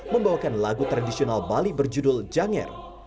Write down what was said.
membawakan lagu tradisional bali berjudul janger